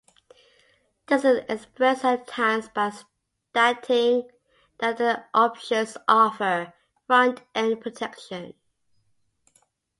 This is expressed at times by stating that the options offer "front-end protection".